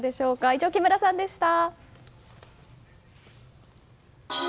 以上、木村さんでした。